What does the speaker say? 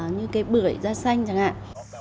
như cây bưởi da xanh chẳng hạn